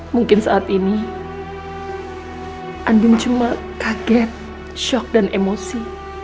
mungkin saat ini andin cuma kaget shock dan emosi